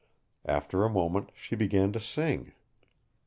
After a moment she began to sing.